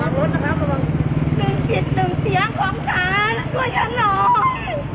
ดึงชิดดึงเสียงของฉันด้วยกันหรอ